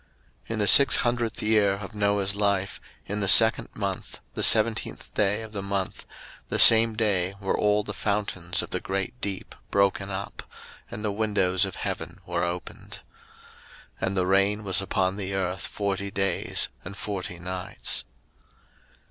01:007:011 In the six hundredth year of Noah's life, in the second month, the seventeenth day of the month, the same day were all the fountains of the great deep broken up, and the windows of heaven were opened. 01:007:012 And the rain was upon the earth forty days and forty nights.